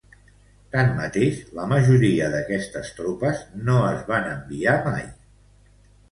Tanmateix, la majoria d'aquestes tropes no es van enviar mai.